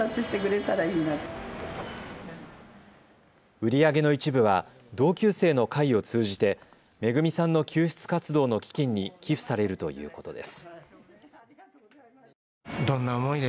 売り上げの一部は同級生の会を通じてめぐみさんの救出活動の基金に寄付されるということです。